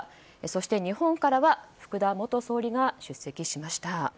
そして日本からは福田元総理が出席しました。